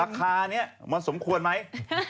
ราคานี้มันสมควรไหม